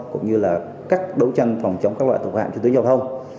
cũng như là các đấu tranh phòng chống các loại tục hạm trực tuyến giao thông